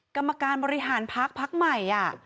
กรรมการบริหารพักใหม่